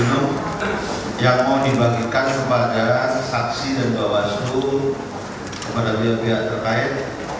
yang mau dibagikan kepada saksi dan bawaslu kepada pihak pihak terkait